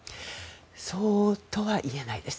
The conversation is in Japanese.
そうとは言えないです。